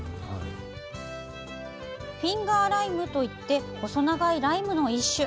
フィンガーライムといって細長いライムの一種。